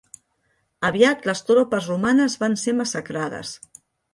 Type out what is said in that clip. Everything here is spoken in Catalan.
Aviat les tropes romanes van ser massacrades.